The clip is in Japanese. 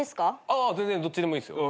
ああ全然どっちでもいいですよ。